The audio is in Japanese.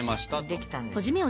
できたんですよ。